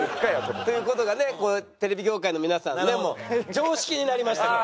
という事がねテレビ業界の皆さんねもう常識になりましたから。